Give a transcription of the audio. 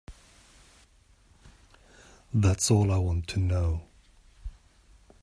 That's all I want to know.